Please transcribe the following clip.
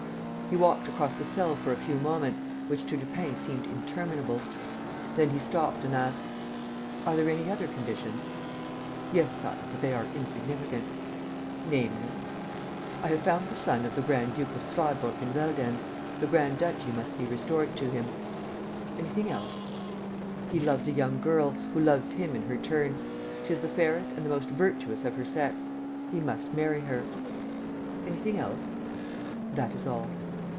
He walked across the cell for a few moments, which to Lupin seemed interminable. Then he stopped and asked: "Are there any other conditions?" "Yes, Sire, but they are insignificant." "Name them." "I have found the son of the Grand duke of Zweibrucken Veldenz. The grand duchy must be restored to him." "Anything else?" "He loves a young girl, who loves him in her turn. She is the fairest and the most virtuous of her sex. He must marry her." "Anything else?" "That is all."